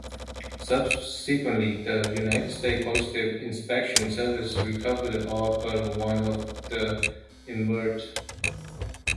Subsequently, the United States Postal Inspection Service recovered all but one of the inverts.